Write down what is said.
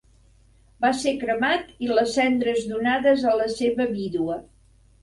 Va ser cremat i les cendres donades a la seva vídua.